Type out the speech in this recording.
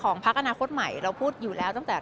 ก็ไม่ได้รับแจ้งจากตำรวจแต่ว่าเรายังไม่ได้รับแจ้งจากตำรวจ